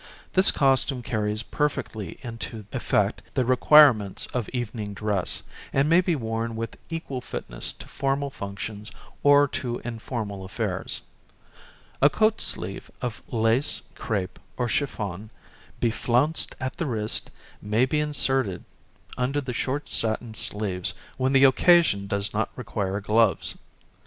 This costume carries perfectly into effect the requirements of evening dress, and may be worn with equal fitness to formal functions or to informal affairs. A coat sleeve of lace, cr├¬pe, or chiffon, beflounced at the wrist, may be inserted under the short satin sleeves when the occasion does not require gloves.